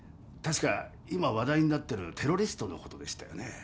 確か今話題になってるテロリストのことでしたよね？